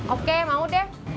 oke mau deh